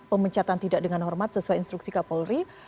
pemecatan tidak dengan hormat sesuai instruksi kapolri